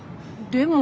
でも。